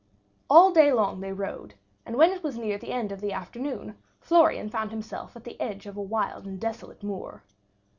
All day long they rode, and when it was near the end of the afternoon Florian found himself at the edge of a wild and desolate moor.